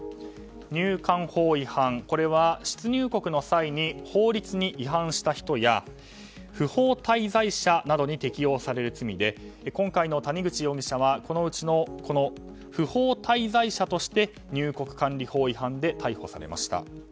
入管法違反、これは出入国の際に法律に違反した人や不法滞在者などに適用される罪で今回の谷口容疑者はこのうちの不法滞在者として入国管理法違反で逮捕されました。